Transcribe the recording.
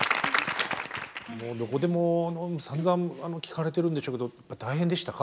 もうどこでもさんざん聞かれてるんでしょうけど大変でしたか？